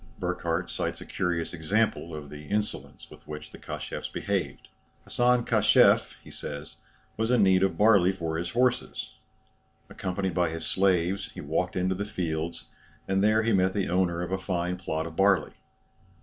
Burckhardt cites a curious example of the insolence with which the Kashefs behaved. "Hassan Kashef," he says, was in need of barley for his horses. Accompanied by his slaves, he walked into the fields, and there met the owner of a fine plot of barley.